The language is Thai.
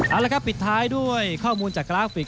เอาละครับปิดท้ายด้วยข้อมูลจากกราฟิก